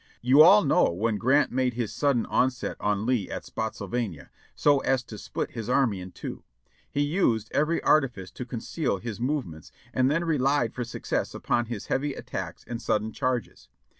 "You all know when Grant made his sudden onset on Lee at Spottsylvania, so as to split his army in two, he used every arti fice to conceal his movements and then rehed for success upon his heavy attacks and sudden charges.